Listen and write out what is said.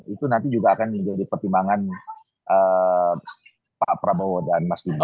itu nanti juga akan menjadi pertimbangan pak prabowo dan mas bima